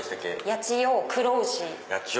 八千代黒牛。